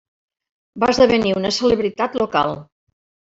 Va esdevenir una celebritat local.